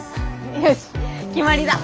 よし決まりだ。